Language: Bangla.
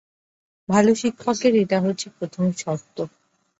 ভাল শিক্ষকের এটা হচ্ছে প্রথম শর্ত।